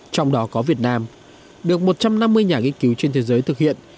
trong đó có việt nam được một trăm năm mươi nhà nghiên cứu trên thế giới thực hiện